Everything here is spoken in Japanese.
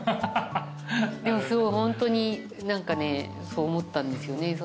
でもすごいホントに何かねそう思ったんですよね